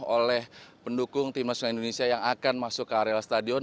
oleh pendukung tim nasional indonesia yang akan masuk ke areal stadion